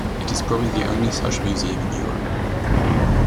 It is probably the only such museum in Europe.